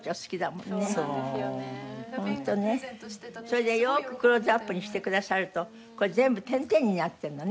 それでよくクローズアップにしてくださるとこれ全部点々になってるのね。